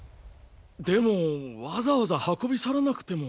でもわざわざ運び去らなくても。